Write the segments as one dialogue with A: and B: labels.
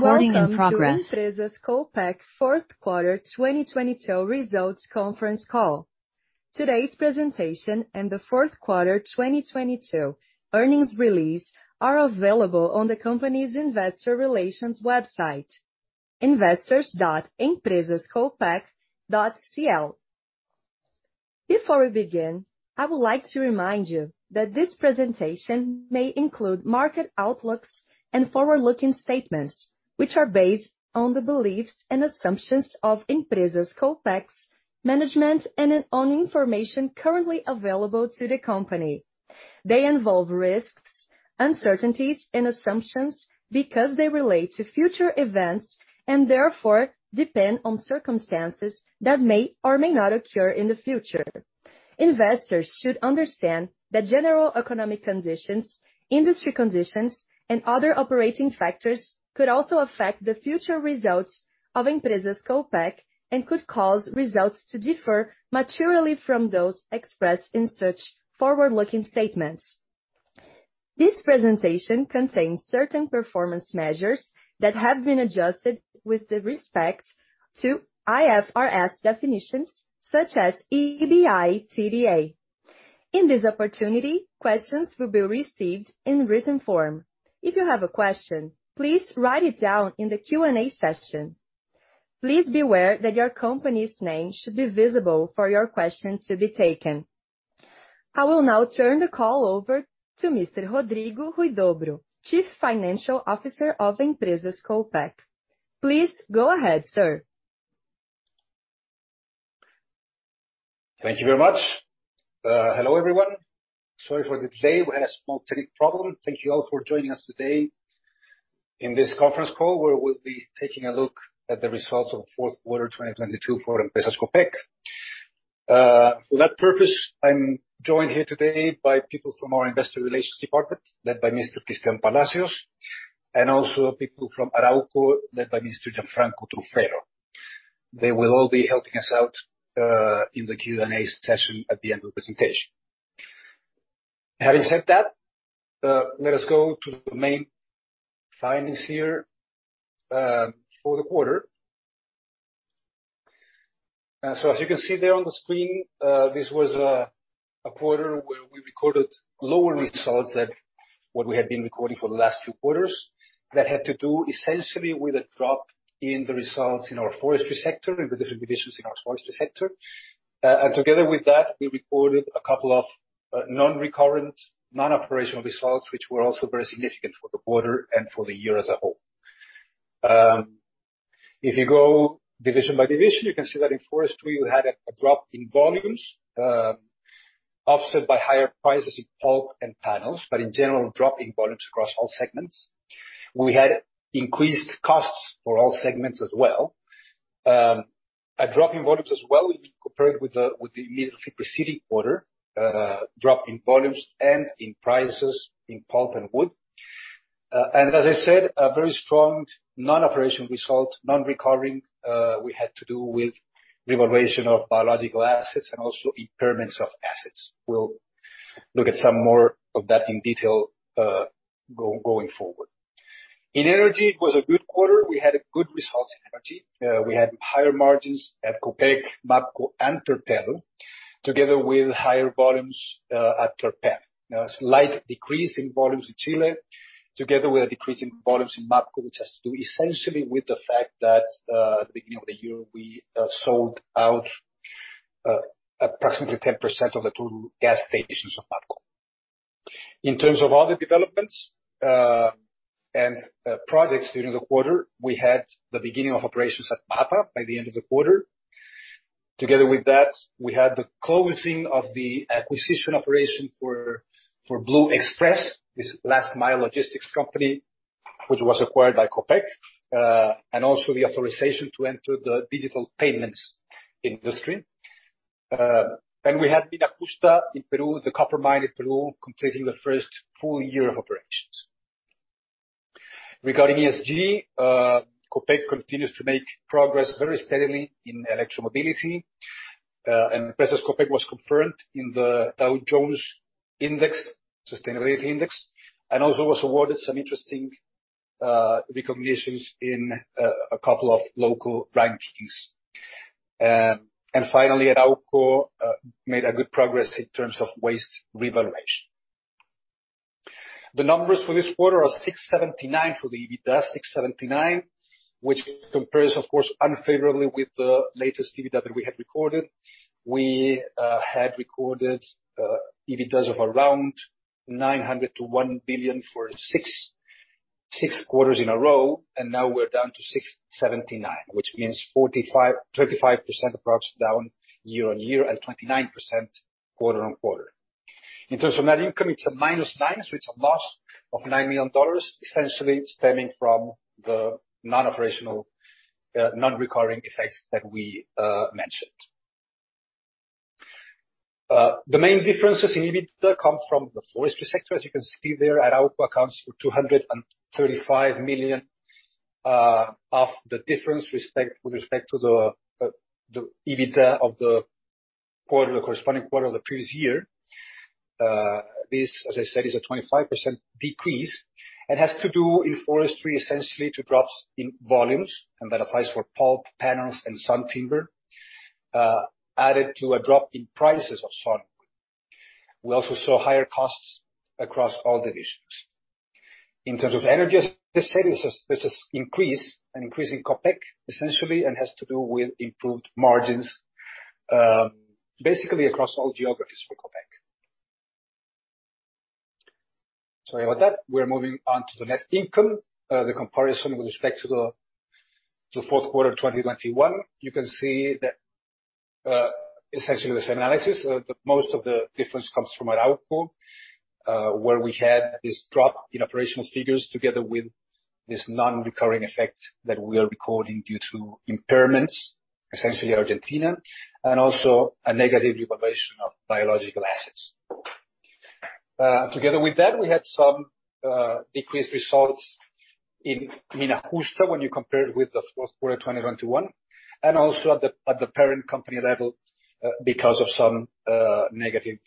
A: Welcome to Empresas Copec fourth quarter 2022 results conference call. Today's presentation and the fourth quarter 2022 earnings release are available on the company's investor relations website, investors.empresascopec.cl. Before we begin, I would like to remind you that this presentation may include market outlooks and forward-looking statements which are based on the beliefs and assumptions of Empresas Copec management and on information currently available to the company. They involve risks, uncertainties and assumptions because they relate to future events and therefore depend on circumstances that may or may not occur in the future. Investors should understand that general economic conditions, industry conditions and other operating factors could also affect the future results of Empresas Copec and could cause results to differ materially from those expressed in such forward-looking statements. This presentation contains certain performance measures that have been adjusted with the respect to IFRS definitions such as EBITDA. In this opportunity, questions will be received in written form. If you have a question, please write it down in the Q&A session. Please be aware that your company's name should be visible for your question to be taken. I will now turn the call over to Mr. Rodrigo Huidobro, Chief Financial Officer of Empresas Copec. Please go ahead, sir.
B: Thank you very much. Hello, everyone. Sorry for the delay. We had a small tech problem. Thank you all for joining us today in this conference call, where we'll be taking a look at the results of fourth quarter 2022 for Empresas Copec. For that purpose, I'm joined here today by people from our investor relations department, led by Mr. Cristián Palacios, and also people from Arauco led by Mr. Gianfranco Truffello. They will all be helping us out in the Q&A session at the end of the presentation. Having said that, let us go to the main findings here for the quarter. As you can see there on the screen, this was a quarter where we recorded lower results than what we had been recording for the last few quarters. That had to do essentially with a drop in the results in our forestry sector, in the different divisions in our forestry sector. Together with that, we recorded a couple of non-recurrent, non-operational results, which were also very significant for the quarter and for the year as a whole. If you go division by division, you can see that in forestry we had a drop in volumes, offset by higher prices in pulp and panels, but in general, a drop in volumes across all segments. We had increased costs for all segments as well. A drop in volumes as well when we compared with the immediately preceding quarter. Drop in volumes and in prices in pulp and wood. As I said, a very strong non-operational result, non-recurring, we had to do with revaluation of biological assets and also impairments of assets. We'll look at some more of that in detail going forward. In energy, it was a good quarter. We had good results in energy. We had higher margins at Copec, MAPCO and Terpel, together with higher volumes at Terpel. A slight decrease in volumes in Chile, together with a decrease in volumes in MAPCO, which has to do essentially with the fact that at the beginning of the year we sold out approximately 10% of the total gas stations of MAPCO. In terms of other developments and projects during the quarter, we had the beginning of operations at MAPA by the end of the quarter. Together with that, we had the closing of the acquisition operation for Blue Express, this last mile logistics company, which was acquired by Copec, and also the authorization to enter the digital payments industry. We had Mina Justa in Peru, the copper mine in Peru, completing the first full year of operations. Regarding ESG, Copec continues to make progress very steadily in electromobility, and Empresas Copec was confirmed in the Dow Jones Sustainability Index, and also was awarded some interesting recognitions in a couple of local rankings. Finally, Arauco made good progress in terms of waste revaluation. The numbers for this quarter are $679 million for the EBITDA, which compares of course unfavorably with the latest EBITDA that we had recorded. We had recorded EBITDA of around $900 million-$1 billion for six quarters in a row, and now we're down to $679 million, which means 25% approximately down year-on-year and 29% quarter-on-quarter. In terms of net income, it's a -$9 million, so it's a loss of $9 million, essentially stemming from the non-operational, non-recurring effects that we mentioned. The main differences in EBITDA come from the forestry sector. As you can see there, Arauco accounts for $235 million of the difference with respect to the EBITDA of the quarter, corresponding quarter of the previous year. This, as I said, is a 25% decrease. It has to do in forestry, essentially, to drops in volumes, and that applies for pulp, panels and sawn timber, added to a drop in prices of softwood. We also saw higher costs across all divisions. In terms of energy, as I said, there's this increase, an increase in Copec, essentially, and has to do with improved margins, basically across all geographies for Copec. Sorry about that. We're moving on to the net income. The comparison with respect to the fourth quarter of 2021, you can see that essentially the same analysis. The most of the difference comes from Arauco, where we had this drop in operational figures together with this non-recurring effect that we are recording due to impairments, essentially Argentina, and also a negative revaluation of biological assets. Together with that we had some decreased results in Mina Justa when you compare it with the fourth quarter 2021. Also at the parent company level, because of some negative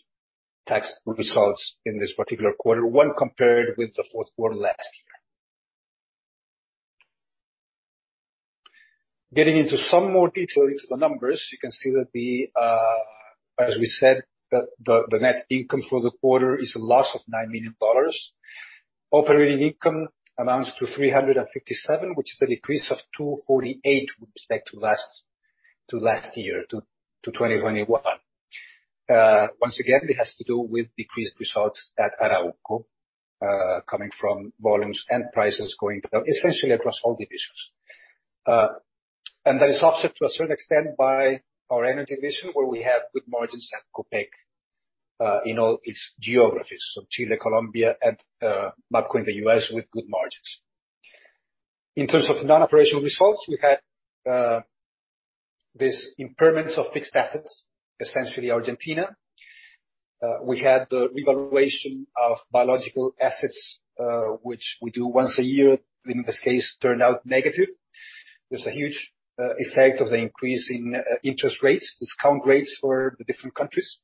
B: tax results in this particular quarter when compared with the fourth quarter last year. Getting into some more detail into the numbers, you can see that the, as we said, the net income for the quarter is a loss of $9 million. Operating income amounts to $357 million, which is a decrease of $248 million with respect to last year, to 2021. Once again, it has to do with decreased results at Arauco, coming from volumes and prices going down, essentially across all divisions. That is offset to a certain extent by our energy division, where we have good margins at Copec in all its geographies. Chile, Colombia and MAPCO in the U.S. with good margins. In terms of non-operational results, we had this impairments of fixed assets, essentially Argentina. We had the revaluation of biological assets, which we do once a year. In this case, turned out negative. There's a huge effect of the increase in interest rates, discount rates for the different countries.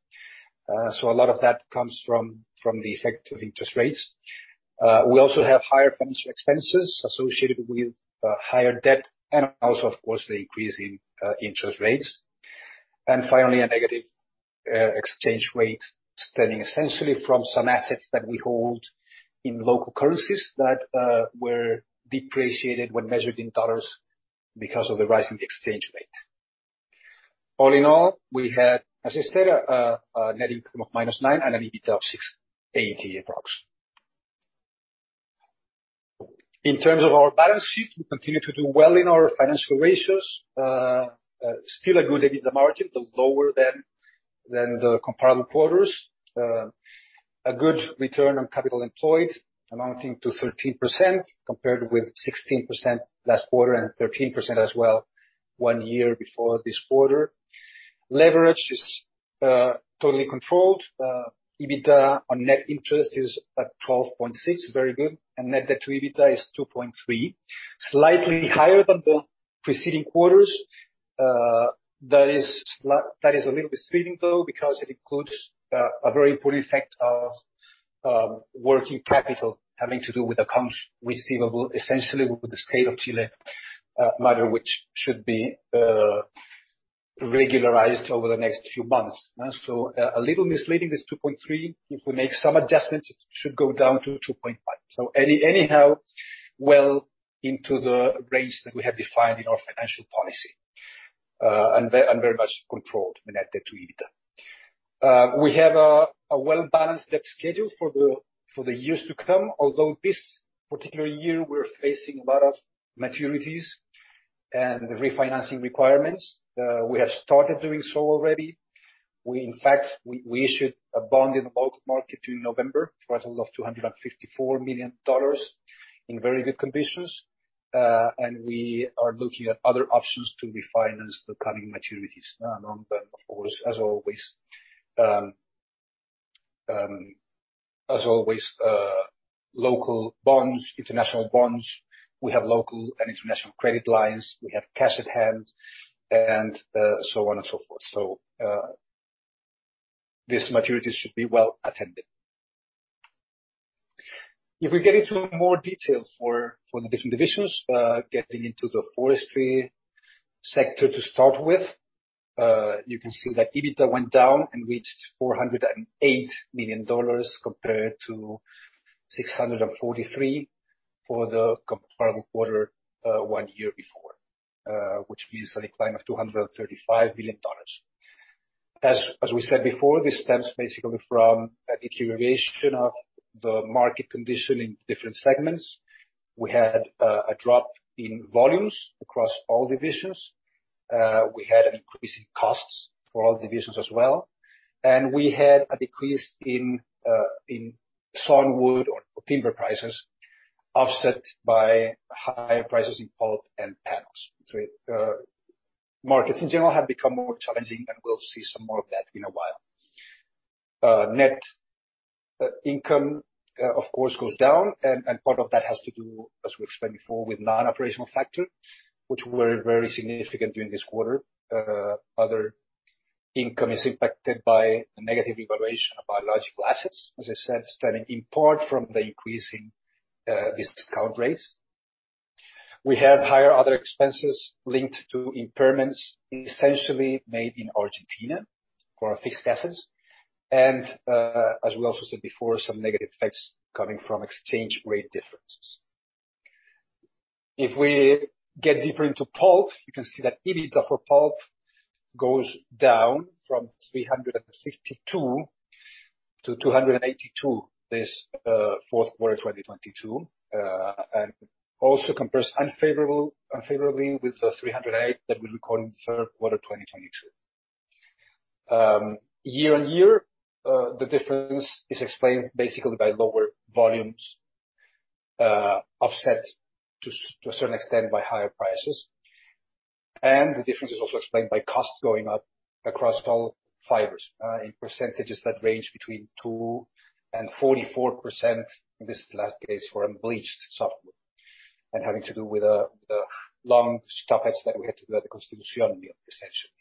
B: A lot of that comes from the effect of interest rates. We also have higher financial expenses associated with higher debt and also of course the increase in interest rates. Finally a negative exchange rate stemming essentially from some assets that we hold in local currencies that were depreciated when measured in dollars because of the rising exchange rate. All in all, we had, as I said, a net income of -$9 million and an EBITDA of $6 million approx. In terms of our balance sheet, we continue to do well in our financial ratios. Still a good EBITDA margin, but lower than the comparable quarters. A good return on capital employed amounting to 13% compared with 16% last quarter and 13% as well one year before this quarter. Leverage is totally controlled. EBITDA on net interest is at 12.6x. Very good. Net debt to EBITDA is 2.3x. Slightly higher than the preceding quarters. That is a little bit misleading, though, because it includes a very poor effect of working capital having to do with accounts receivable, essentially with the State of Chile, matter which should be regularized over the next few months. A little misleading, this 2.3x. If we make some adjustments, it should go down to 2.1x. Well into the range that we have defined in our financial policy. And very much controlled net debt to EBITDA. We have a well-balanced debt schedule for the years to come. Although this particular year we're facing a lot of maturities and refinancing requirements. We have started doing so already. We, in fact, we issued a bond in the local market in November for a total of $254 million in very good conditions. And we are looking at other options to refinance the coming maturities, and on them, of course, as always, as always, local bonds, international bonds. We have local and international credit lines. We have cash at hand and so on and so forth. So, this maturity should be well attended. If we get into more detail for the different divisions. Getting into the forestry sector to start with, you can see that EBITDA went down and reached $408 million compared to $643 million for the comparable quarter, one year before. Which means a decline of $235 million. As we said before, this stems basically from a deterioration of the market condition in different segments. We had a drop in volumes across all divisions. We had an increase in costs for all divisions as well. We had a decrease in sawn wood or timber prices offset by higher prices in pulp and panels. Markets in general have become more challenging, and we'll see some more of that in a while. Net income, of course, goes down, and part of that has to do, as we explained before, with non-operational factors, which were very significant during this quarter. Other income is impacted by the negative evaluation of biological assets, as I said, stemming in part from the increasing discount rates. We have higher other expenses linked to impairments essentially made in Argentina for our fixed assets. As we also said before, some negative effects coming from exchange rate differences. If we get deeper into pulp, you can see that EBIT for pulp goes down from $352 million to $282 million this fourth quarter 2022. Also compares unfavorably with the $308 million that we recorded in the third quarter 2022. Year-over-year, the difference is explained basically by lower volumes, offset to a certain extent by higher prices. The difference is also explained by costs going up across all fibers, in percentages that range between 2% and 44%. This is the last case for unbleached software and having to do with the long stoppages that we had to do at the Constitución mill, essentially.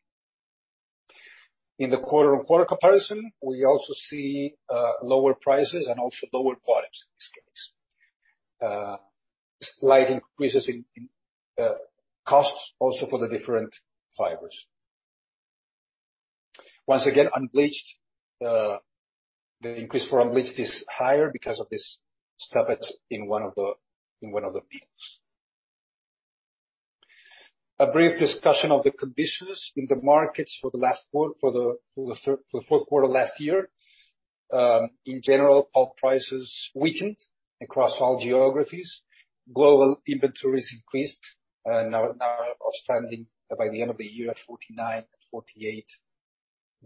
B: In the quarter-on-quarter comparison, we also see lower prices and also lower volumes in this case. Slight increases in costs also for the different fibers. Once again, unbleached, the increase for unbleached is higher because of this stoppage in one of the mills. A brief discussion of the conditions in the markets for the fourth quarter last year. In general, pulp prices weakened across all geographies. Global inventories increased, now are standing by the end of the year at 49 and 48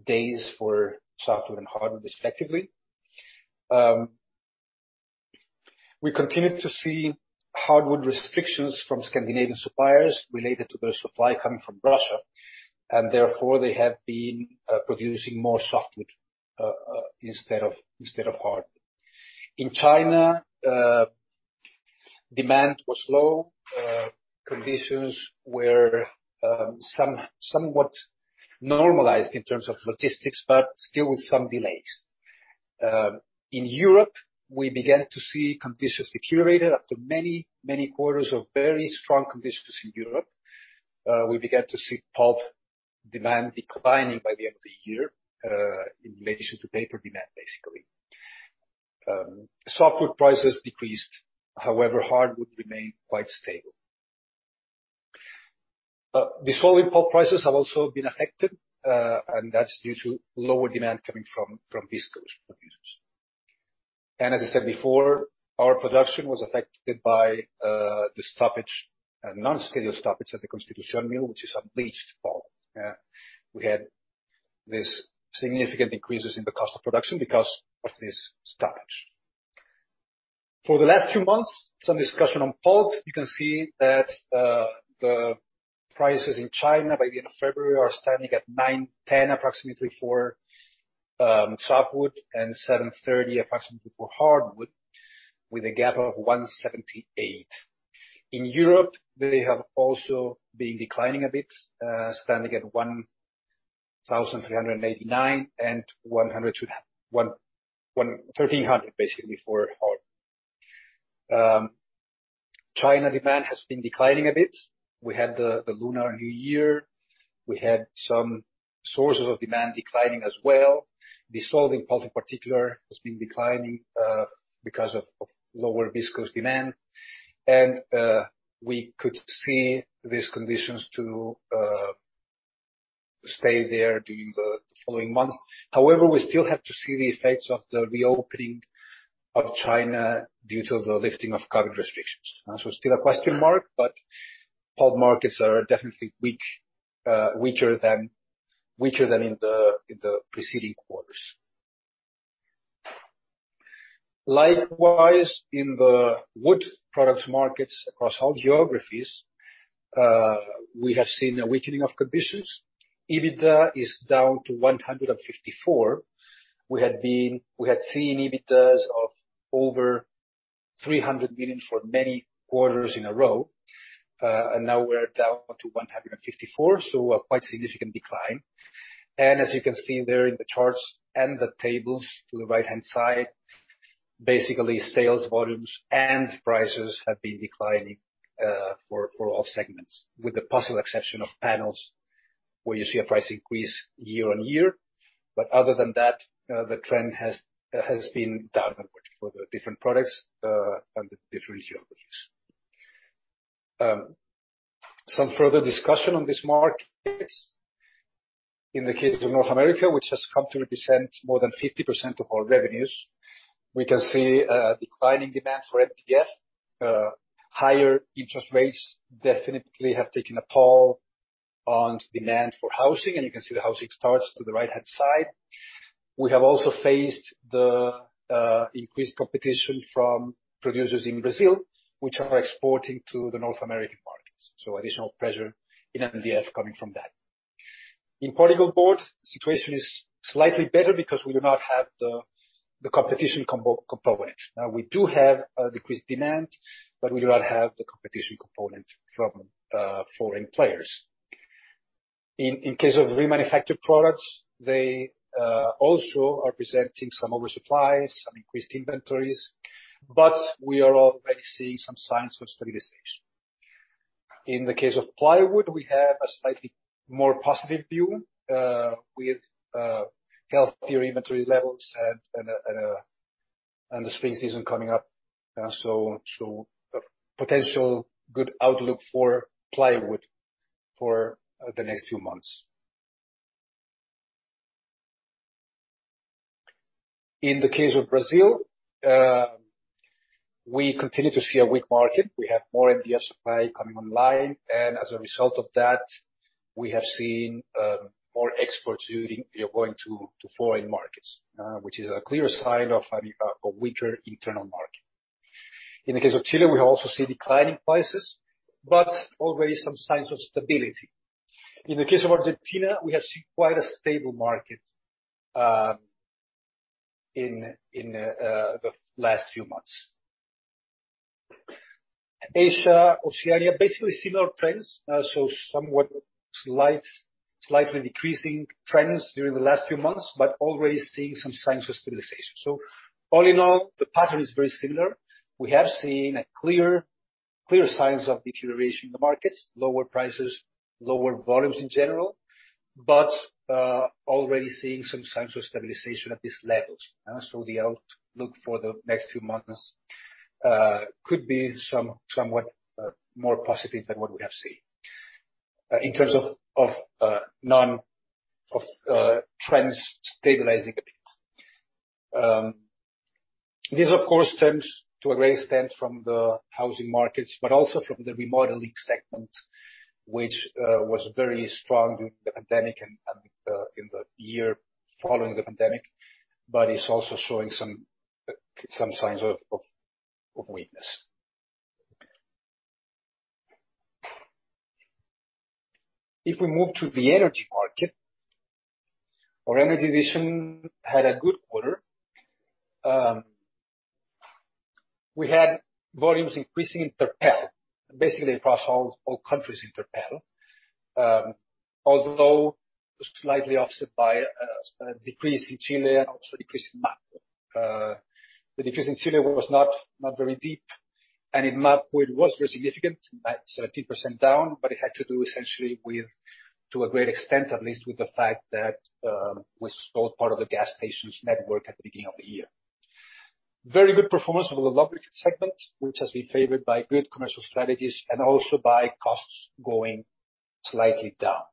B: days for softwood and hardwood, respectively. We continued to see hardwood restrictions from Scandinavian suppliers related to their supply coming from Russia, and therefore they have been producing more softwood instead of hardwood. In China, demand was low. Conditions were somewhat normalized in terms of logistics, but still with some delays. In Europe, we began to see conditions deteriorated after many quarters of very strong conditions in Europe. We began to see pulp demand declining by the end of the year, in relation to paper demand, basically. Softwood prices decreased. However, hardwood remained quite stable. Dissolving pulp prices have also been affected, and that's due to lower demand coming from viscose producers. As I said before, our production was affected by the stoppage, a non-scheduled stoppage at the Constitución mill, which is unbleached pulp. We had these significant increases in the cost of production because of this stoppage. For the last few months, some discussion on pulp. You can see that the prices in China by the end of February are standing at $810 approximately for softwood and $730 approximately for hardwood, with a gap of $178. In Europe, they have also been declining a bit, standing at $1,389 and $1,300 basically for hardwood. China demand has been declining a bit. We had the Lunar New Year. We had some sources of demand declining as well. Dissolving pulp in particular has been declining because of lower viscose demand. We could see these conditions to stay there during the following months. However, we still have to see the effects of the reopening of China due to the lifting of COVID restrictions. Still a question mark, but pulp markets are definitely weak, weaker than in the preceding quarters. Likewise, in the wood products markets across all geographies, we have seen a weakening of conditions. EBITDA is down to $154 million. We had seen EBITDAs of over $300 million for many quarters in a row. Now we're down to $154 million, so a quite significant decline. As you can see there in the charts and the tables to the right-hand side, basically sales volumes and prices have been declining, for all segments, with the possible exception of panels, where you see a price increase year-over-year. Other than that, the trend has been downward for the different products, and the different geographies. Some further discussion on these markets. In the case of North America, which has come to represent more than 50% of our revenues, we can see declining demand for MDF. Higher interest rates definitely have taken a toll on demand for housing, and you can see the housing starts to the right-hand side. We have also faced the increased competition from producers in Brazil, which are exporting to the North American markets. Additional pressure in MDF coming from that. Particleboard, situation is slightly better because we do not have the competition component. Now, we do have a decreased demand, but we do not have the competition component from foreign players. Case of remanufactured products, they also are presenting some oversupply, some increased inventories, but we are already seeing some signs of stabilization. In the case of plywood, we have a slightly more positive view, with healthier inventory levels and a, and the spring season coming up. A potential good outlook for plywood for the next few months. IIn the case of Brazil, we continue to see a weak market. We have more MDF supply coming online, and as a result of that, we have seen, more exports going to foreign markets, which is a clear sign of an, a weaker internal market. In the case of Chile, we also see declining prices, but already some signs of stability. In the case of Argentina, we have seen quite a stable market, in the last few months. Asia, Oceania, basically similar trends. Somewhat slightly decreasing trends during the last few months, but already seeing some signs of stabilization. All in all, the pattern is very similar. We have seen clear signs of deterioration in the markets, lower prices, lower volumes in general, but already seeing some signs of stabilization at these levels. The outlook for the next few months could be somewhat more positive than what we have seen in terms of trends stabilizing a bit. This of course stems to a great extent from the housing markets, but also from the remodeling segment, which was very strong during the pandemic and in the year following the pandemic, but it's also showing some signs of weakness. If we move to the energy market, our energy division had a good quarter. We had volumes increasing in Terpel, basically across all countries in Terpel. Although it was slightly offset by a decrease in Chile and also a decrease in MAPCO. The decrease in Chile was not very deep, and in MAPCO it was very significant, 30% down, but it had to do essentially with, to a great extent, at least, with the fact that we sold part of the gas stations network at the beginning of the year. Very good performance over the Lubricant segment, which has been favored by good commercial strategies and also by costs going slightly down.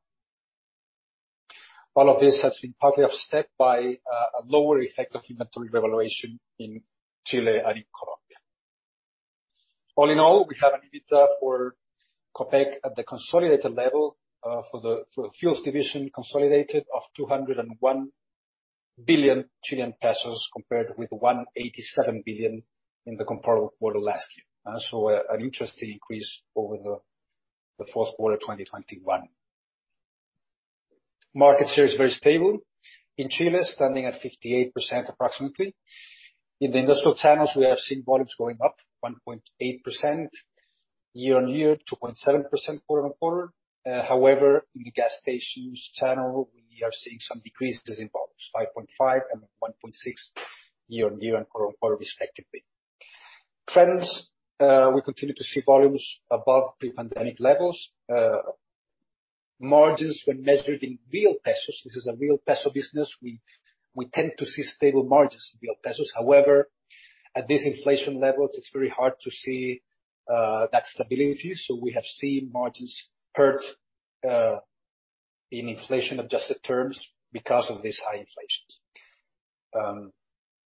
B: All of this has been partly offset by a lower effect of inventory revaluation in Chile and in Colombia. All in all, we have an EBITDA for Copec at the consolidated level, for the fuels division consolidated of 201 billion Chilean pesos, compared with 187 billion in the comparable quarter last year. An interesting increase over the fourth quarter 2021. Market share is very stable. In Chile, standing at 58% approximately. In the industrial channels, we have seen volumes going up 1.8% year-on-year, 2.7% quarter-on-quarter. However, in the gas stations channel, we are seeing some decreases in volumes, 5.5% and 1.6% year-on-year and quarter-on-quarter respectively. Trends, we continue to see volumes above pre-pandemic levels. Margins when measured in real pesos, this is a real peso business, we tend to see stable margins in real pesos. At this inflation levels, it's very hard to see that stability. We have seen margins hurt in inflation-adjusted terms because of these high inflations.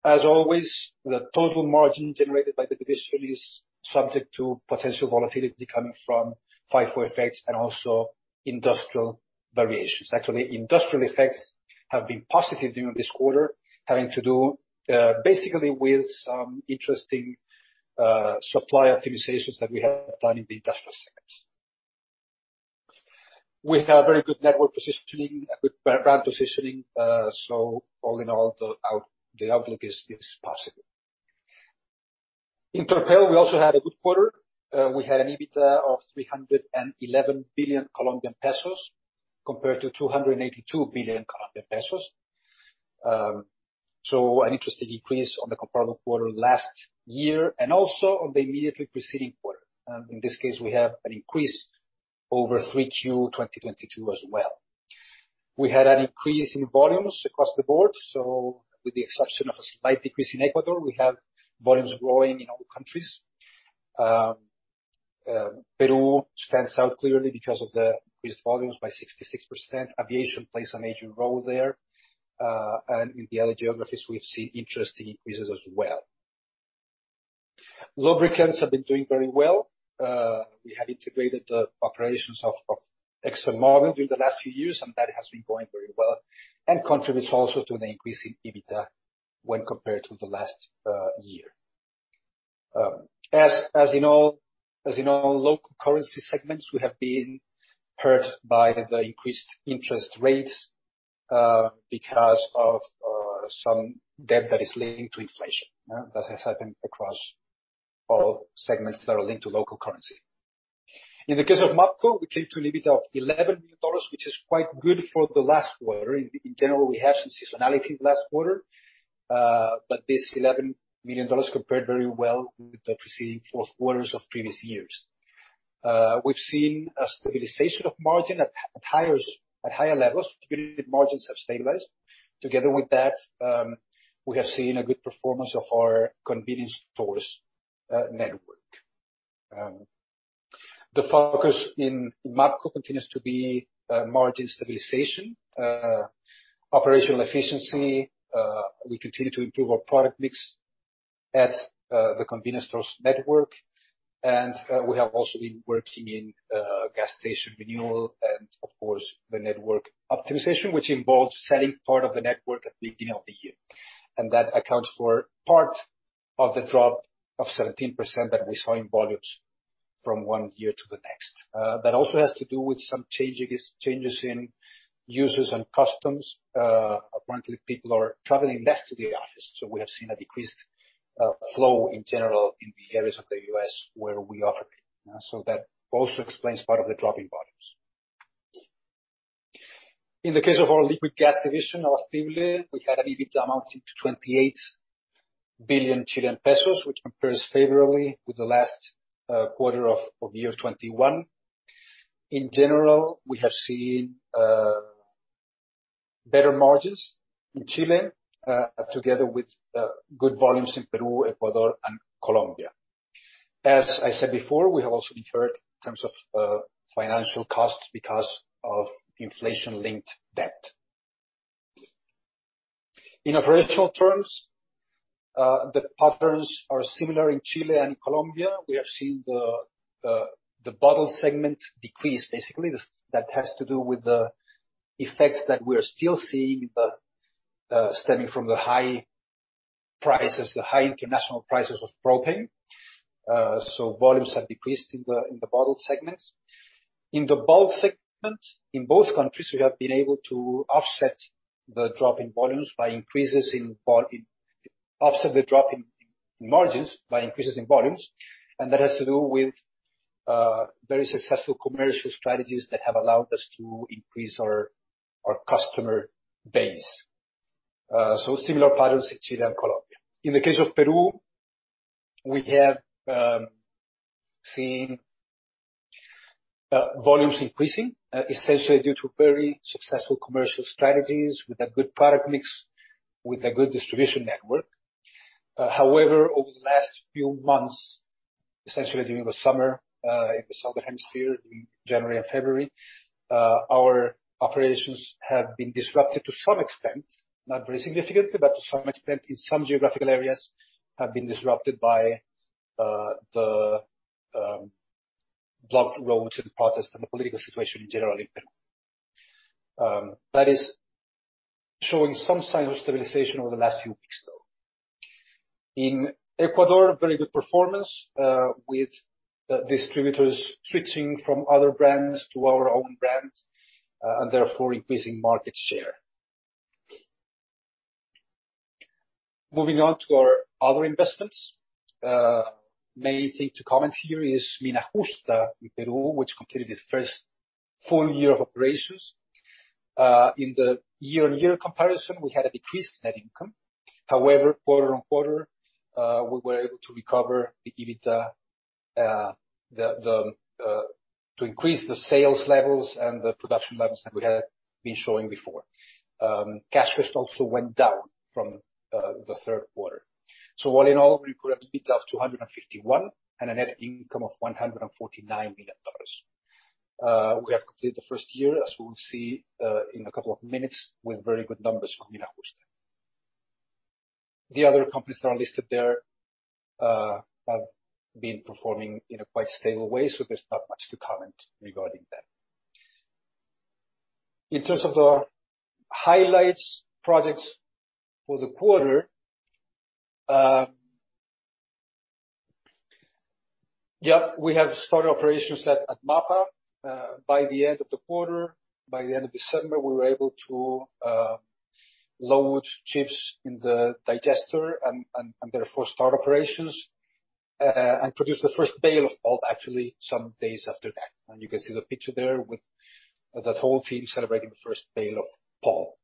B: As always, the total margin generated by the division is subject to potential volatility coming from FIFO effects and also industrial variations. Actually, industrial effects have been positive during this quarter, having to do basically with some interesting supply optimizations that we have done in the industrial segments. We have very good network positioning, a good brand positioning. All in all, the outlook is positive. In Terpel, we also had a good quarter. We had an EBITDA of COP 311 billion compared to COP 282 billion. An interesting increase on the comparable quarter last year and also on the immediately preceding quarter. In this case, we have an increase over 3Q 2022 as well. We had an increase in volumes across the board. With the exception of a slight decrease in Ecuador, we have volumes growing in all countries. Peru stands out clearly because of the increased volumes by 66%. Aviation plays a major role there. In the other geographies, we've seen interesting increases as well. Lubricants have been doing very well. We have integrated the operations of ExxonMobil during the last few years, and that has been going very well and contributes also to an increase in EBITDA when compared to the last year. As in all local currency segments, we have been hurt by the increased interest rates because of some debt that is linked to inflation. Yeah, that has happened across all segments that are linked to local currency. In the case of MAPCO, we came to EBITDA of $11 million, which is quite good for the last quarter. In general, we have some seasonality last quarter, but this $11 million compared very well with the preceding fourth quarters of previous years. We've seen a stabilization of margin at higher levels. EBITDA margins have stabilized. Together with that, we have seen a good performance of our convenience stores network. The focus in MAPCO continues to be margin stabilization, operational efficiency, we continue to improve our product mix at the convenience stores network. We have also been working in gas station renewal and of course the network optimization, which involves selling part of the network at the beginning of the year. That accounts for part of the drop of 17% that we saw in volumes from one year to the next. That also has to do with some changes in users and customs. Apparently people are traveling less to the office, so we have seen a decreased flow in general in the areas of the U.S. where we operate. That also explains part of the drop in volumes. In the case of our liquid gas division, Abastible, we had an EBITDA amounting to 28 billion Chilean pesos, which compares favorably with the last quarter of 2021. In general, we have seen better margins in Chile, together with good volumes in Peru, Ecuador, and Colombia. As I said before, we have also been hurt in terms of financial costs because of inflation-linked debt. In operational terms, the patterns are similar in Chile and Colombia. We have seen the Bottle segment decrease, basically. That has to do with the effects that we're still seeing in the stemming from the high prices, the high international prices of propane. Volumes have decreased in the Bottle segments. In the Bulk segment, in both countries, we have been able to offset the drop in margins by increases in volumes. That has to do with very successful commercial strategies that have allowed us to increase our customer base. Similar patterns in Chile and Colombia. In the case of Peru, we have seen volumes increasing essentially due to very successful commercial strategies with a good product mix, with a good distribution network. Over the last few months, essentially during the summer in the southern hemisphere, during January and February, our operations have been disrupted to some extent, not very significantly, but to some extent in some geographical areas, have been disrupted by the blocked roads and protests and the political situation in general in Peru. That is showing some signs of stabilization over the last few weeks, though. In Ecuador, very good performance with the distributors switching from other brands to our own brand and therefore increasing market share. Moving on to our other investments. Main thing to comment here is Mina Justa in Peru, which completed its first full year of operations. In the year-on-year comparison, we had a decreased net income. However, quarter-on-quarter, we were able to recover the EBITDA, to increase the sales levels and the production levels that we had been showing before. Cash cost also went down from the third quarter. All in all, we recovered EBITDA of $251 million and a net income of $149 million. We have completed the first year, as we will see, in a couple of minutes, with very good numbers from Mina Justa. The other companies that are listed there, have been performing in a quite stable way, so there's not much to comment regarding them. In terms of the highlights projects for the quarter, yep, we have started operations at MAPA. By the end of the quarter, by the end of December, we were able to load chips in the digester and therefore start operations and produce the first bale of pulp actually some days after that. You can see the picture there with the whole team celebrating the first bale of pulp.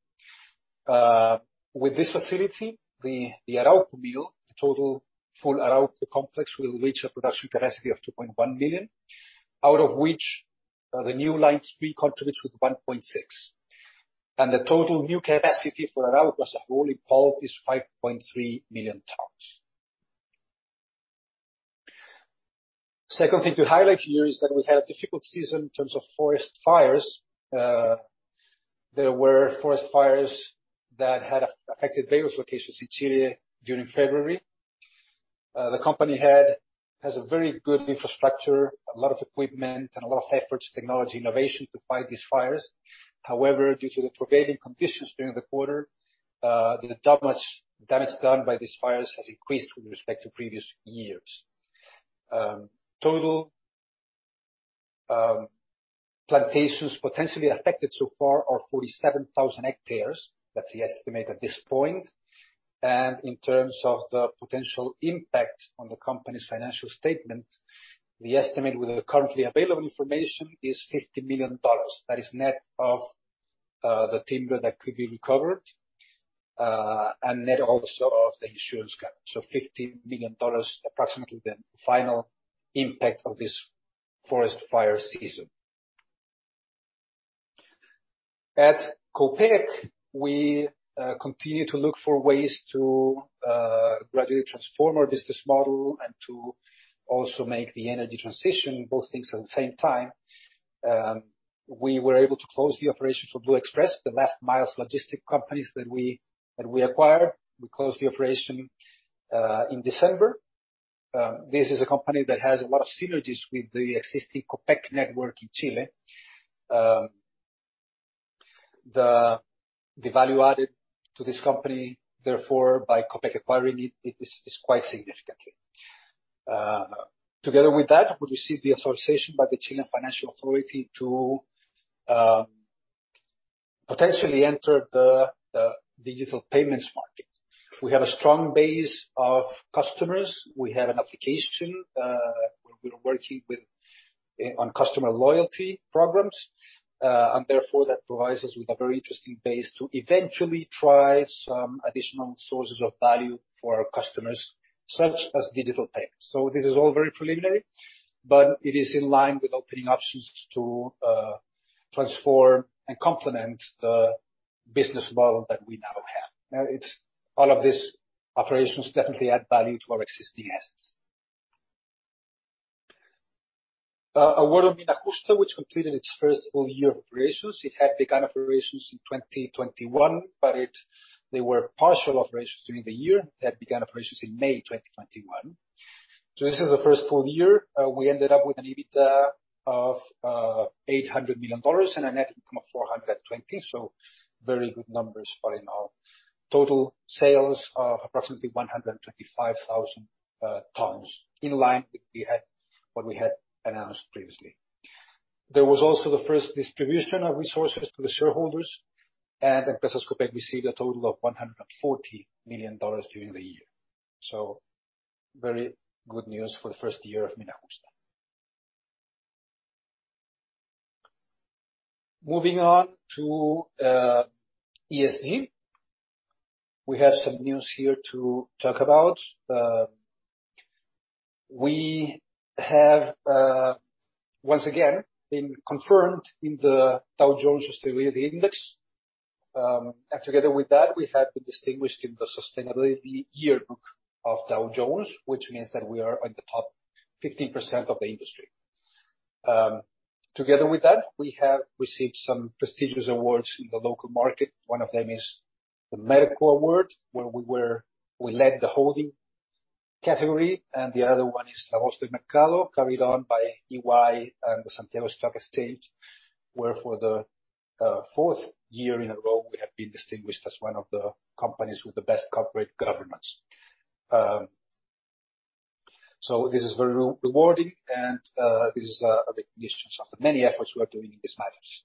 B: With this facility, the Arauco mill, the total full Arauco complex will reach a production capacity of 2.1 million, out of which the new Line 3 contributes with 1.6 million tons. The total new capacity for Arauco as a whole in pulp is 5.3 million tons. Second thing to highlight here is that we had a difficult season in terms of forest fires. There were forest fires that had affected paper locations in Chile during February. The company has a very good infrastructure, a lot of equipment, and a lot of efforts, technology, innovation to fight these fires. However, due to the prevailing conditions during the quarter, the damage done by these fires has increased with respect to previous years. Total plantations potentially affected so far are 47,000 hectares. That's the estimate at this point. In terms of the potential impact on the company's financial statement, the estimate with the currently available information is $50 million. That is net of the timber that could be recovered and net also of the insurance cover. $50 million, approximately the final impact of this forest fire season. At Copec, we continue to look for ways to gradually transform our business model and to also make the energy transition, both things at the same time. We were able to close the operation for Blue Express, the last mile logistic companies that we acquired. We closed the operation in December. This is a company that has a lot of synergies with the existing Copec network in Chile. The value added to this company, therefore by Copec acquiring it is quite significant. Together with that, we received the authorization by the Chilean Financial Authority to potentially enter the digital payments market. We have a strong base of customers. We have an application where we're working with on customer loyalty programs. Therefore, that provides us with a very interesting base to eventually try some additional sources of value for our customers, such as digital payments. This is all very preliminary, but it is in line with opening options to transform and complement the business model that we now have. All of these operations definitely add value to our existing assets. Mina Justa, which completed its first full year of operations. It had begun operations in 2021, but they were partial operations during the year. It had begun operations in May 2021. This is the first full year. We ended up with an EBITDA of $800 million and a net income of $420 million. Very good numbers for in our total sales of approximately 125,000 tons. In line with what we had announced previously. There was also the first distribution of resources to the shareholders. At Mina Justa, we see a total of $140 million during the year. Very good news for the first year of Mina Justa. Moving on to ESG. We have some news here to talk about. We have once again been confirmed in the Dow Jones Sustainability Index. Together with that, we have been distinguished in the Sustainability Yearbook of Dow Jones, which means that we are in the top 15% of the industry. Together with that, we have received some prestigious awards in the local market. One of them is the Merco Award, where we led the holding category. The other one is the La Voz del Mercado, carried on by EY and the Santiago Stock Exchange, where for the fourth year in a row, we have been distinguished as one of the companies with the best corporate governance. This is very rewarding and this is a recognition of the many efforts we are doing in this matters.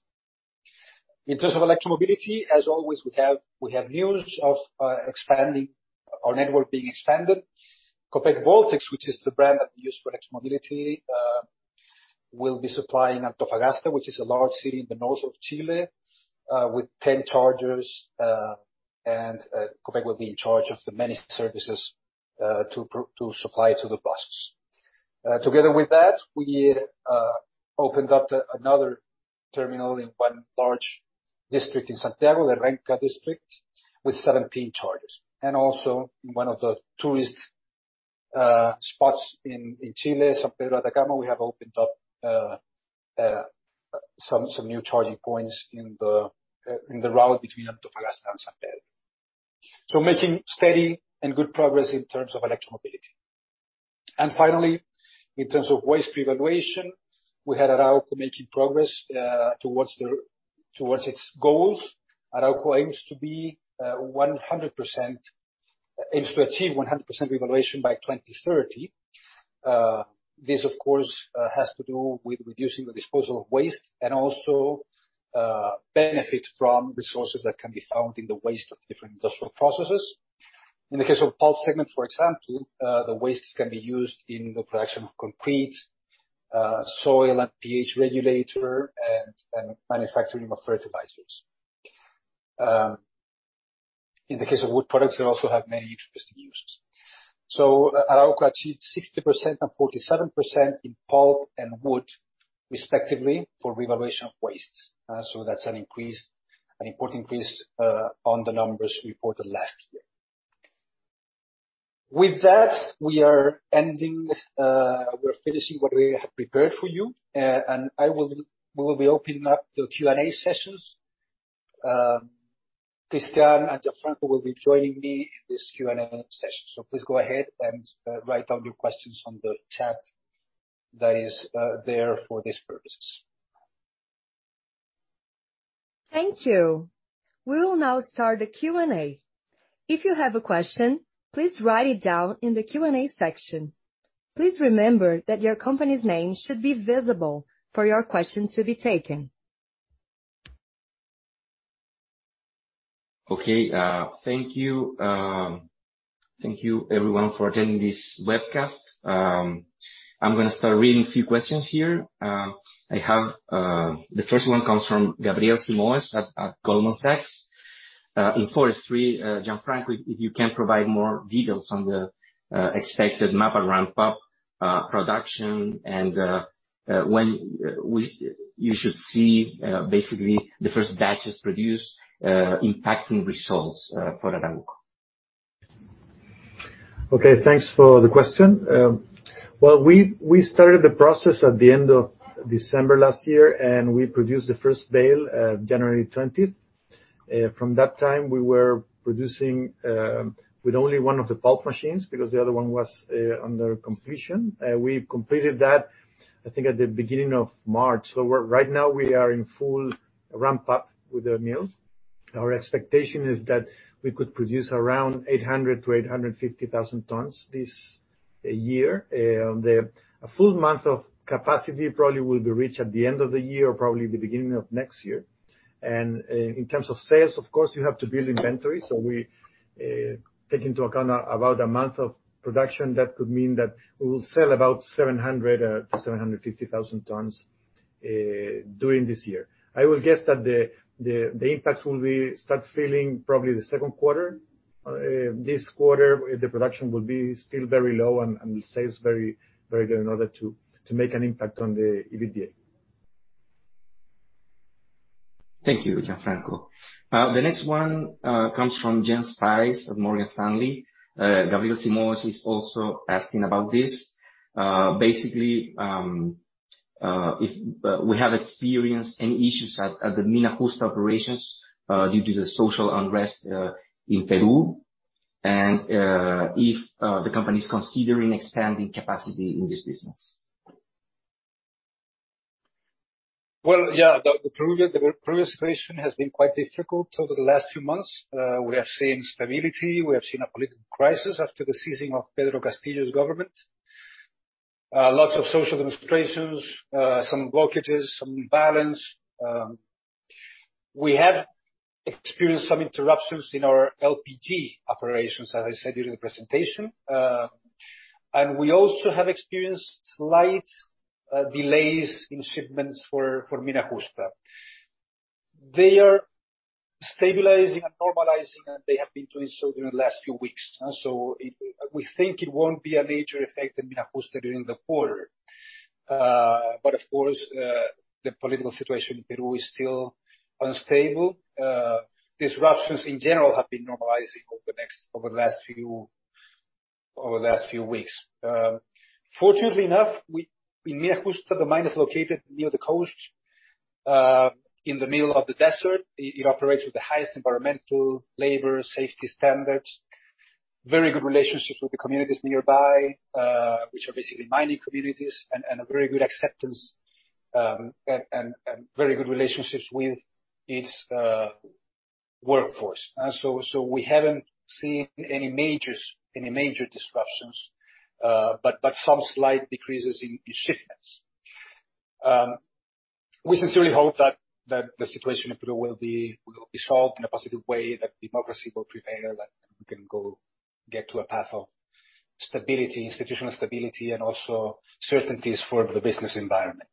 B: In terms of electromobility, as always, we have news of our network being expanded. Copec Voltex, which is the brand that we use for electromobility, will be supplying Antofagasta, which is a large city in the north of Chile, with 10 chargers. Copec will be in charge of the many services to supply to the buses. Together with that, we opened up another terminal in one large district in Santiago, the Renca district, with 17 chargers. Also in one of the tourist spots in Chile, San Pedro de Atacama, we have opened up some new charging points in the route between Antofagasta and San Pedro. Making steady and good progress in terms of electromobility. Finally, in terms of waste revaluation, we had Arauco making progress towards its goals. Arauco aims to achieve 100% revaluation by 2030. This of course has to do with reducing the disposal of waste and also benefit from resources that can be found in the waste of different industrial processes. Pulp segment, for example, the waste can be used in the production of concrete, soil and pH regulator, and manufacturing of fertilizers. In the case of wood products, they also have many interesting uses. So Arauco achieved 60% and 47% in pulp and wood respectively for revaluation of waste. So that's an important increase on the numbers reported last year. With that, we are ending, we're finishing what we have prepared for you, and we will be opening up the Q&A sessions Cristián and Gianfranco will be joining me in this Q&A session. Please go ahead and write down your questions on the chat that is there for this purpose.
A: Thank you. We'll now start the Q&A. If you have a question, please write it down in the Q&A section. Please remember that your company's name should be visible for your question to be taken.
C: Okay. Thank you. Thank you everyone for attending this webcast. I'm gonna start reading a few questions here. I have, the first one comes from Gabriel Simões at Goldman Sachs. In 43, Gianfranco, if you can provide more details on the expected MAPA ramp up production and when you should see basically the first batches produced impacting results for Arauco?
D: Okay. Thanks for the question. Well, we started the process at the end of December last year. We produced the first bale, January 20th. From that time, we were producing with only one of the pulp machines, because the other one was under completion. We completed that, I think, at the beginning of March. Right now we are in full ramp up with the mills. Our expectation is that we could produce around 800,000-850,000 tons this year. A full month of capacity probably will be reached at the end of the year or probably the beginning of next year. In terms of sales, of course, you have to build inventory. We take into account about a month of production, that could mean that we will sell about 700,000-750,000 tons during this year. I will guess that the impact will be start feeling probably the second quarter. This quarter, the production will be still very low, and sales very, very low in order to make an impact on the EBITDA.
C: Thank you, Gianfranco Truffello. The next one comes from Jens Spiess of Morgan Stanley. Gabriel Simões is also asking about this. Basically, if we have experienced any issues at the Mina Justa operations due to the social unrest in Peru, and if the company is considering expanding capacity in this business?
B: The Peru situation has been quite difficult over the last few months. We have seen instability, we have seen a political crisis after the seizing of Pedro Castillo's government. Lots of social demonstrations, some blockages, some violence. We have experienced some interruptions in our LPG operations, as I said during the presentation. We also have experienced slight delays in shipments for Mina Justa. They are stabilizing and normalizing, and they have been doing so during the last few weeks. We think it won't be a major effect in Mina Justa during the quarter. Of course, the political situation in Peru is still unstable. Disruptions in general have been normalizing over the last few weeks. Fortunately enough, we, in Mina Justa, the mine is located near the coast, in the middle of the desert. It operates with the highest environmental labor safety standards. Very good relationships with the communities nearby, which are basically mining communities, and a very good acceptance, and very good relationships with its workforce. We haven't seen any majors, any major disruptions, but some slight decreases in shipments. We sincerely hope that the situation in Peru will be solved in a positive way, that democracy will prevail, and we can go get to a path of stability, institutional stability, and also certainties for the business environment.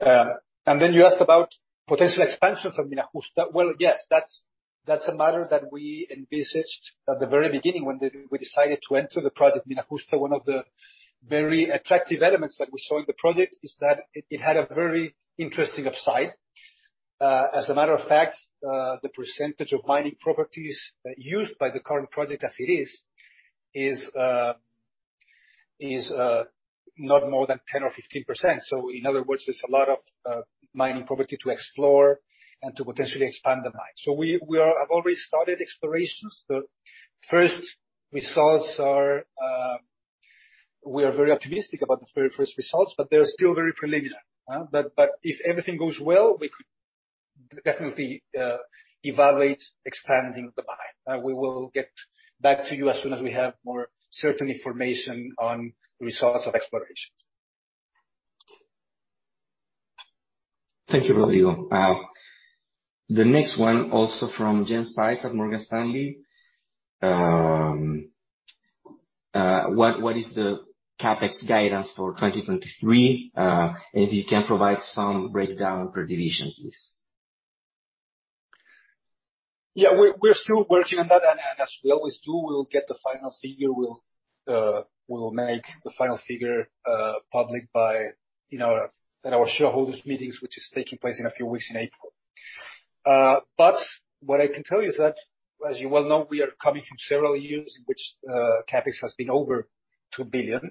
B: You asked about potential expansions of Mina Justa. Well, yes, that's a matter that we envisaged at the very beginning when we decided to enter the project Mina Justa. One of the very attractive elements that we saw in the project is that it had a very interesting upside. As a matter of fact, the percentage of mining properties used by the current project as it is not more than 10% or 15%. In other words, there's a lot of mining property to explore and to potentially expand the mine. We have already started explorations. The first results are, we are very optimistic about the very first results, but they're still very preliminary. But if everything goes well, we could definitely evaluate expanding the mine. We will get back to you as soon as we have more certain information on results of explorations.
C: Thank you, Rodrigo. The next one, also from Jens Spiess at Morgan Stanley. What is the CapEx guidance for 2023? If you can provide some breakdown per division, please.
B: Yeah. We're still working on that. As we always do, we will get the final figure. We will make the final figure public in our shareholders meetings, which is taking place in a few weeks in April. What I can tell you is that, as you well know, we are coming from several years in which CapEx has been over $2 billion.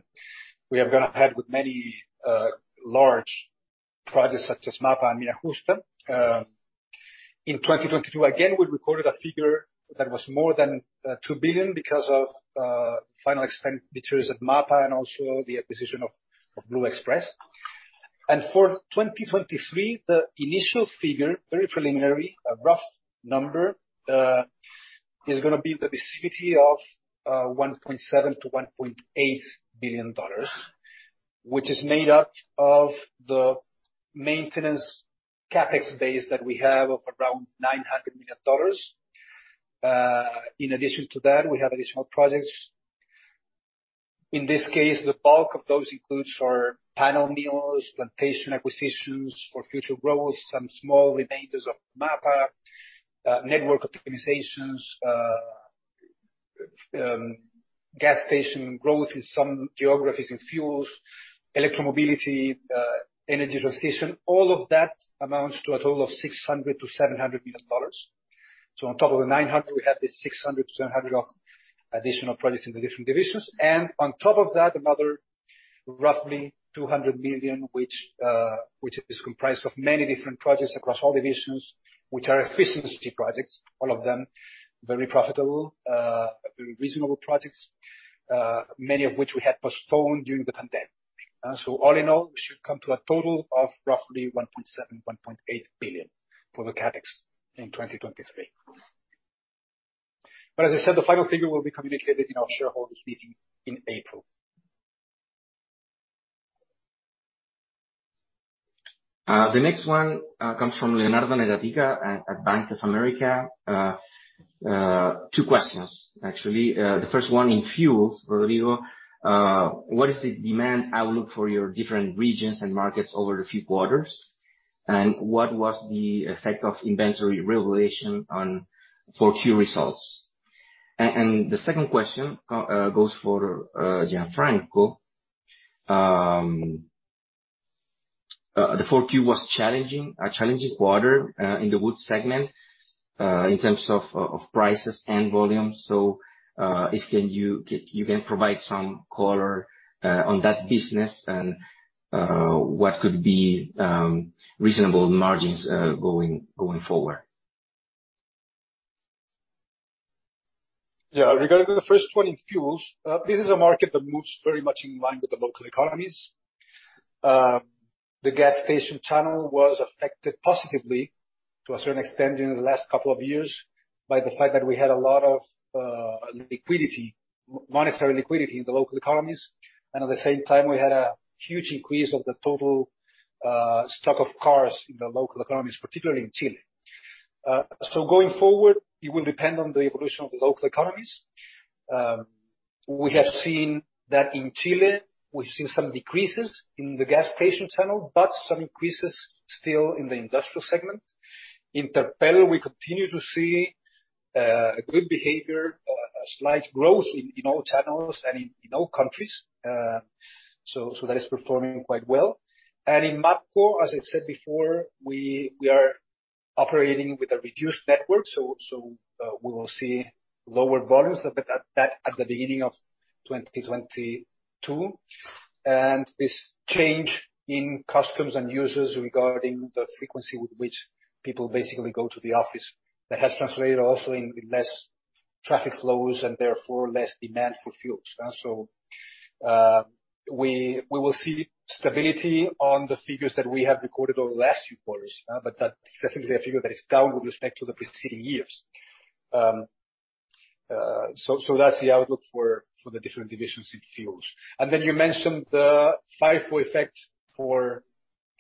B: We have gone ahead with many large projects such as MAPA and Mina Justa. In 2022, again, we recorded a figure that was more than $2 billion because of final expenditures at MAPA and also the acquisition of Blue Express. For 2023, the initial figure, very preliminary, a rough number, is gonna be in the vicinity of $1.7 billion-$1.8 billion, which is made up of the maintenance CapEx base that we have of around $900 million. In addition to that, we have additional projects. In this case, the bulk of those includes our panel mills, plantation acquisitions for future growth, some small remainders of MAPA, network optimizations, gas station growth in some geographies in fuels, electromobility, energy transition. All of that amounts to a total of $600 million-$700 million. On top of the $900, we have this $600-$700 of additional projects in the different divisions. On top of that, another roughly $200 million, which is comprised of many different projects across all divisions, which are efficiency projects, all of them very profitable, very reasonable projects, many of which we had postponed during the pandemic. All in all, we should come to a total of roughly $1.7 billion-$1.8 billion for the CapEx in 2023. As I said, the final figure will be communicated in our shareholders' meeting in April.
C: The next one comes from Leonardo Negri at Bank of America. Two questions, actually. The first one, in fuels, Rodrigo, what is the demand outlook for your different regions and markets over a few quarters? What was the effect of inventory revaluation on 4Q results? The second question goes for Gianfranco. The 4Q was challenging, a challenging quarter in the wood segment in terms of prices and volume. If you can provide some color on that business and what could be reasonable margins going forward.
B: Yeah. Regarding the first one in fuels, this is a market that moves very much in line with the local economies. The gas station channel was affected positively to a certain extent during the last couple of years by the fact that we had a lot of monetary liquidity in the local economies. At the same time, we had a huge increase of the total stock of cars in the local economies, particularly in Chile. Going forward, it will depend on the evolution of the local economies. We have seen that in Chile, we've seen some decreases in the gas station channel, but some increases still in the industrial segment. In Terpel, we continue to see a good behavior, a slight growth in, you know, channels and in all countries. That is performing quite well. In MAPCO, as I said before, we are operating with a reduced network, so, we will see lower volumes at the beginning of 2022. This change in customs and users regarding the frequency with which people basically go to the office, that has translated also in less traffic flows and therefore less demand for fuels. So, we will see stability on the figures that we have recorded over the last few quarters, but that's essentially a figure that is down with respect to the preceding years. So that's the outlook for the different divisions in fuels. Then you mentioned the FIFO effect for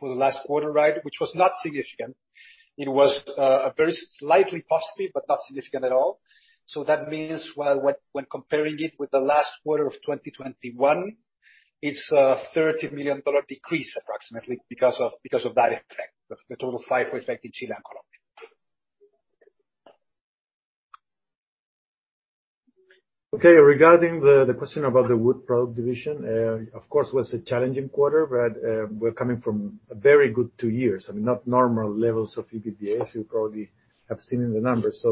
B: the last quarter, right? Which was not significant. It was a very slightly positive, but not significant at all. That means while when comparing it with the last quarter of 2021, it's a $30 million decrease approximately because of that effect. That's the total FIFO effect in Chile and Colombia.
D: Okay. Regarding the question about the wood product division, of course, it was a challenging quarter, but we're coming from a very good two years. I mean, not normal levels of EBITDA, as you probably have seen in the numbers.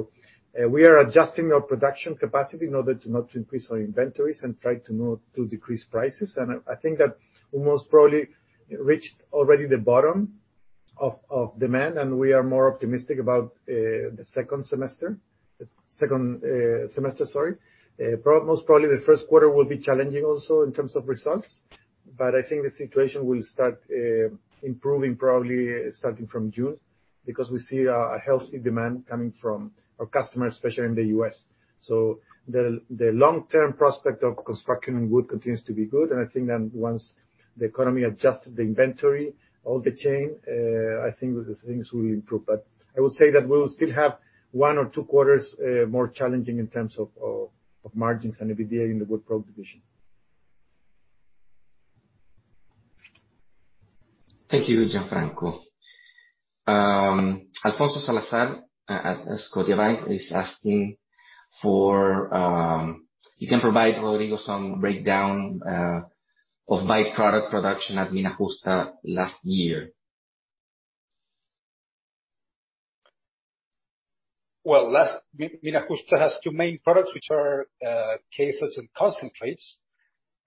D: We are adjusting our production capacity in order to not increase our inventories and try to not to decrease prices. I think that we most probably reached already the bottom of demand, and we are more optimistic about the second semester. The second semester, sorry. Most probably the first quarter will be challenging also in terms of results, I think the situation will start improving probably starting from June because we see a healthy demand coming from our customers, especially in the U.S. The long-term prospect of construction in wood continues to be good, and I think then once the economy adjusts the inventory, all the chain, I think the things will improve. I will say that we will still have one or two quarters more challenging in terms of margins and EBITDA in the wood product division.
C: Thank you, Gianfranco. Alfonso Salazar at Scotiabank is asking for, if you can provide, Rodrigo, some breakdown of by-product production at Mina Justa last year.
B: Well, Mina Justa has two main products, which are cathodes and concentrates.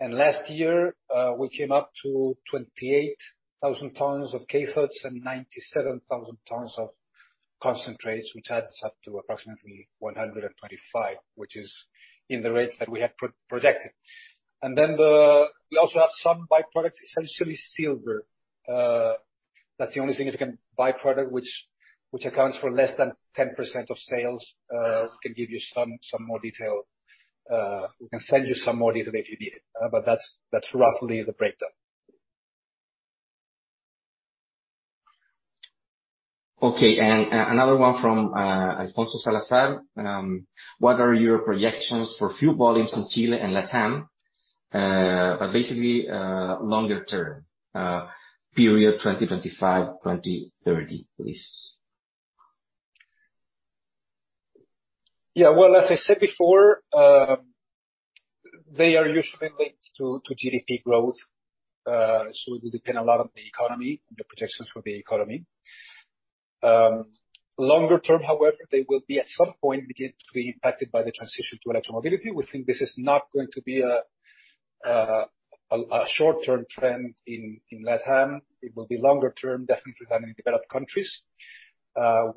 B: Last year, we came up to 28,000 tons of cathodes and 97,000 tons of concentrates, which adds up to approximately 125, which is in the rates that we had projected. We also have some by-products, essentially silver. That's the only significant by-product which accounts for less than 10% of sales. We can give you some more detail. We can send you some more detail if you need it. But that's roughly the breakdown.
C: Okay. Another one from Alfonso Salazar. What are your projections for fuel volumes in Chile and LatAm? Basically, longer term, period 2025, 2030, please.
B: As I said before, they are usually linked to GDP growth. It will depend a lot on the economy and the projections for the economy. Longer term, however, they will be at some point begin to be impacted by the transition to electromobility. We think this is not going to be a short-term trend in LatAm. It will be longer term, definitely than in developed countries.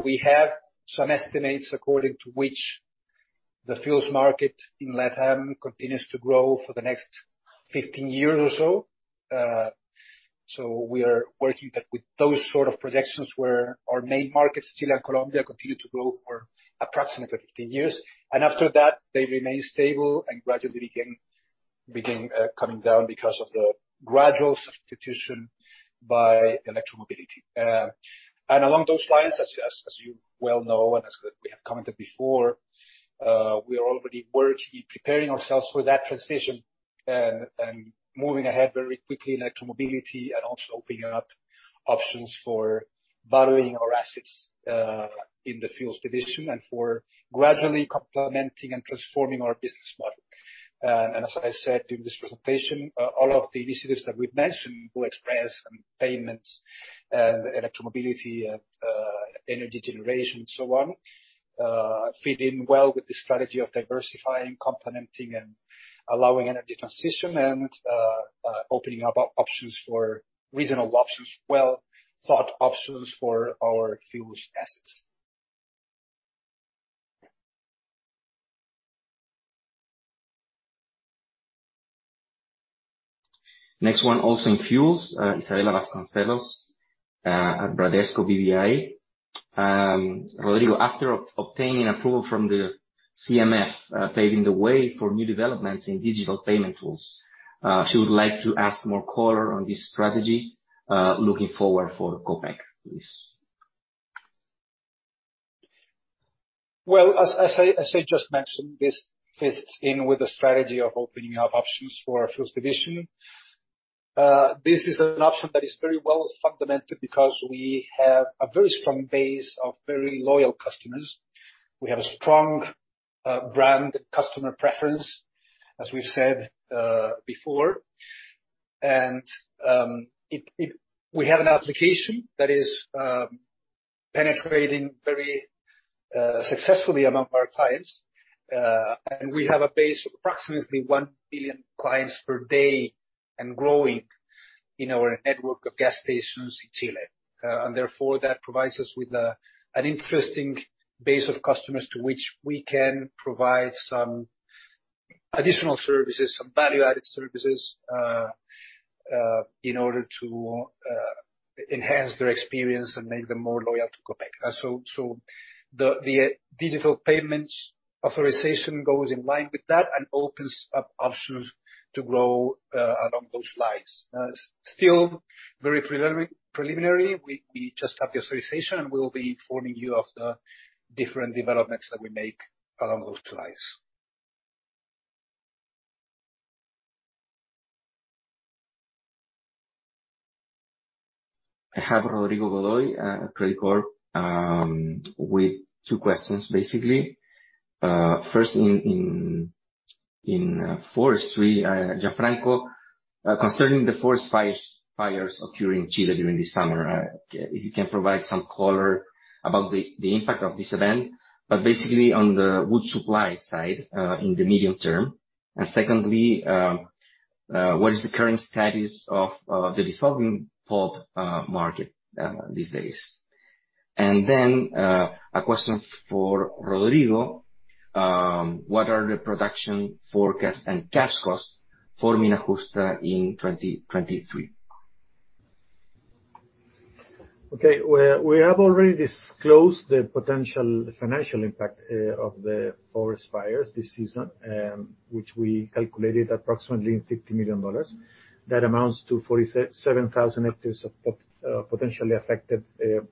B: We have some estimates according to which the fuels market in LatAm continues to grow for the next 15 years or so. We are working that with those sort of projections where our main markets, Chile and Colombia, continue to grow for approximately 15 years. After that, they remain stable and gradually begin coming down because of the gradual substitution by electromobility. Along those lines, as, as you well know, and as we have commented before, we are already working, preparing ourselves for that transition, and moving ahead very quickly in electromobility and also opening up options for valuing our assets in the fuels division and for gradually complementing and transforming our business model. As I said in this presentation, all of the initiatives that we've mentioned, Blue Express and payments and electromobility and energy generation and so on, fit in well with the strategy of diversifying, complementing and allowing energy transition and opening up options for reasonable options, well-thought options for our fuels assets.
C: Next one, also in fuels, Isabella Vasconcelos at Bradesco BBI. Rodrigo, after obtaining approval from the CMF, paving the way for new developments in digital payment tools, she would like to ask more color on this strategy, looking forward for Copec, please.
B: Well, as I just mentioned, this fits in with the strategy of opening up options for our fuels division. This is an option that is very well-fundamental because we have a very strong base of very loyal customers. We have a strong brand customer preference, as we've said before. We have an application that is penetrating very successfully among our clients. We have a base of approximately 1 billion clients per day and growing in our network of gas stations in Chile. Therefore, that provides us with an interesting base of customers to which we can provide some additional services, some value-added services in order to enhance their experience and make them more loyal to Copec. The digital payments authorization goes in line with that and opens up options to grow along those lines. Still very preliminary, we just have the authorization, we will be informing you of the different developments that we make along those lines.
C: I have Rodrigo Godoy at Credicorp with two questions, basically. First, in Forestry, Gianfranco concerning the forest fires occurring in Chile during this summer, if you can provide some color about the impact of this event, but basically on the wood supply side, in the medium term. Secondly, what is the current status of the dissolving pulp market these days? Then, a question for Rodrigo, what are the production forecasts and cash costs for Mina Justa in 2023?
D: Okay. We have already disclosed the potential financial impact of the forest fires this season, which we calculated approximately $50 million. That amounts to 47,000 hectares of potentially affected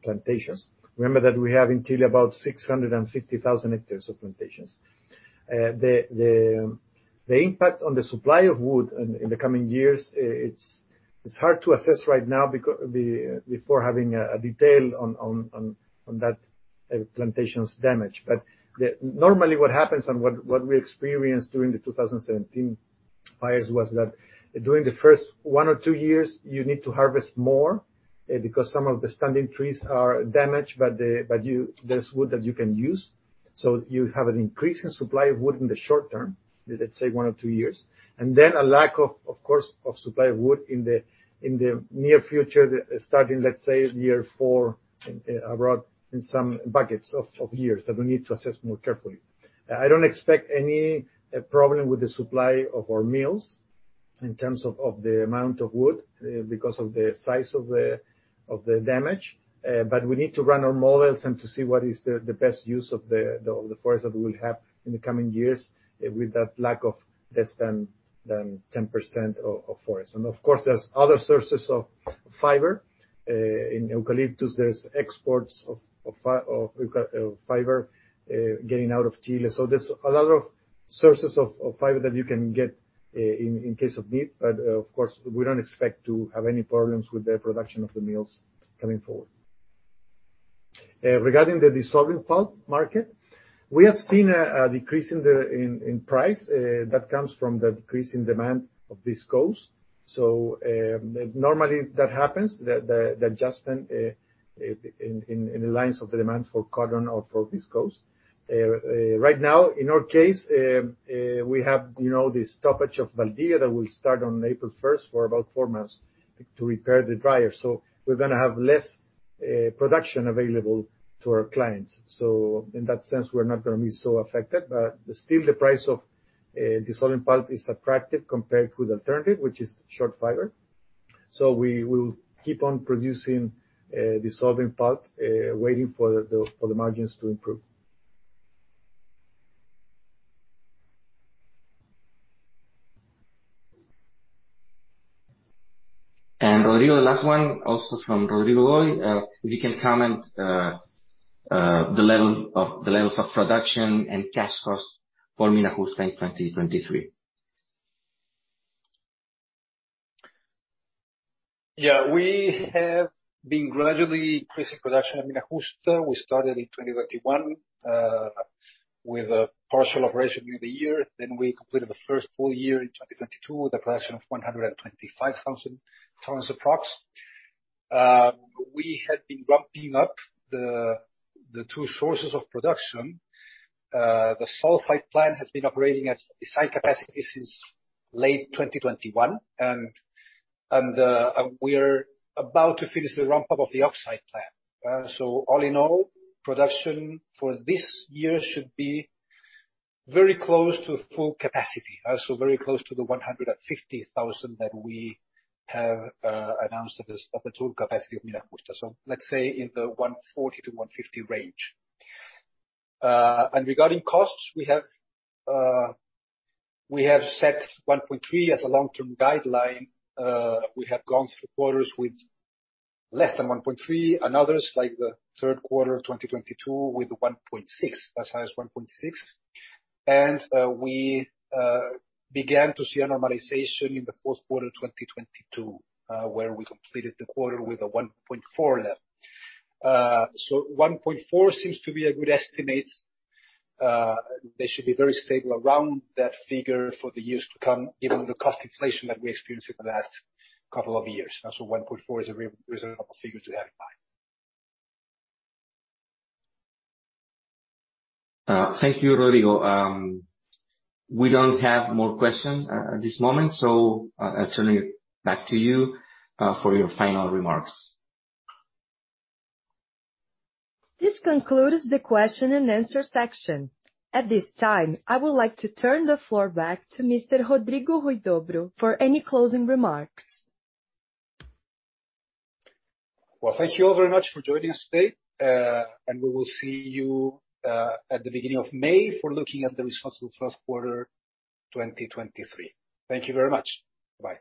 D: plantations. Remember that we have in Chile about 650,000 hectares of plantations. The impact on the supply of wood in the coming years, it's- It's hard to assess right now before having a detail on that plantation's damage. Normally what happens and what we experienced during the 2017 fires was that during the first one or two years, you need to harvest more because some of the standing trees are damaged, but there's wood that you can use. You have an increase in supply of wood in the short term, let's say one or two years, and then a lack of course, of supply of wood in the near future starting, let's say, year four, around in some buckets of years that we need to assess more carefully. I don't expect any problem with the supply of our mills in terms of the amount of wood because of the size of the damage. We need to run our models and to see what is the best use of the forest that we will have in the coming years with that lack of less than 10% of forest. Of course, there's other sources of fiber. In eucalyptus there's exports of eco- fiber getting out of Chile. There's a lot of sources of fiber that you can get in case of need. Of course, we don't expect to have any problems with the production of the mills coming forward. Regarding the dissolving pulp market, we have seen a decrease in the price that comes from the decrease in demand of viscose. Normally that happens, the adjustment in the lines of the demand for cotton or for viscose. Right now, in our case, we have, you know, the stoppage of Valdivia that will start on April 1st for about four months to repair the dryer. We're gonna have less production available to our clients. In that sense, we're not gonna be so affected. Still the price of dissolving pulp is attractive compared to the alternative, which is short fiber. We will keep on producing dissolving pulp, waiting for the margins to improve.
C: Rodrigo, the last one, also from Rodrigo Godoy, if you can comment, the levels of production and cash costs for Mina Justa in 2023.
B: Yeah. We have been gradually increasing production at Mina Justa. We started in 2021 with a partial operation in the year. We completed the first full year in 2022 with a production of 125,000 tons approx. We had been ramping up the two sources of production. The sulfide plant has been operating at design capacity since late 2021, and we're about to finish the ramp-up of the oxide plant. All in all, production for this year should be very close to full capacity. Very close to the 150,000 that we have announced as the total capacity of Mina Justa. Let's say in the 140-150 range. Regarding costs, we have set 1.3 as a long-term guideline. We have gone through quarters with less than 1.3, and others like the third quarter of 2022 with 1.6, as high as 1.6. We began to see a normalization in the fourth quarter of 2022, where we completed the quarter with a 1.4 level. 1.4 seems to be a good estimate. They should be very stable around that figure for the years to come, given the cost inflation that we experienced over the last two years. 1.4 is a reasonable figure to have in mind.
C: Thank you, Rodrigo. We don't have more question at this moment, so I turn it back to you for your final remarks.
A: This concludes the question and answer section. At this time, I would like to turn the floor back to Mr. Rodrigo Huidobro for any closing remarks.
D: Well, thank you all very much for joining us today. We will see you, at the beginning of May for looking at the results for the first quarter 2023. Thank you very much. Bye-bye.